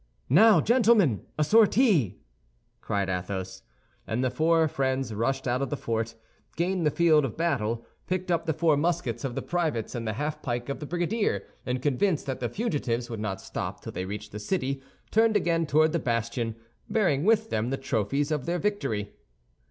"Now, gentlemen, a sortie!" cried Athos. And the four friends rushed out of the fort, gained the field of battle, picked up the four muskets of the privates and the half pike of the brigadier, and convinced that the fugitives would not stop till they reached the city, turned again toward the bastion, bearing with them the trophies of their victory.